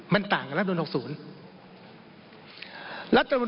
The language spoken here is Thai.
มันต่างกับรัฐมนุน๖๐